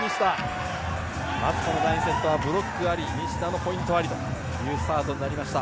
まず第２セット、ブロックあり西田のポイントありというスタートになりました。